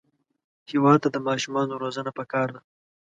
هېواد ته د ماشومانو روزنه پکار ده